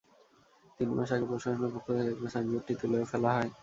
তিন মাস আগে প্রশাসনের পক্ষ থেকে একবার সাইনবোর্ডটি তুলেও ফেলা হয়।